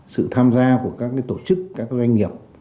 sự tham gia của các tổ chức các doanh nghiệp